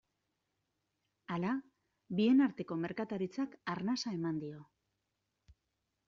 Hala, bien arteko merkataritzak arnasa eman dio.